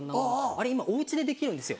あれ今おうちでできるんですよ。